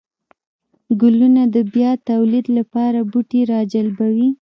گلونه د بيا توليد لپاره بوټي راجلبوي